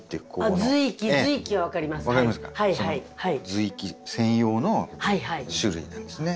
その芋茎専用の種類なんですね。